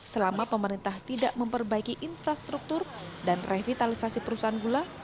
selama pemerintah tidak memperbaiki infrastruktur dan revitalisasi perusahaan gula